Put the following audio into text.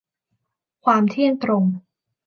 ความเที่ยงตรง